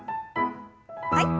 はい。